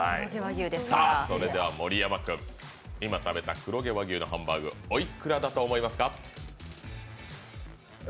それでは盛山君、今食べた黒毛和牛のハンバーグ、おいくらだと思いますか？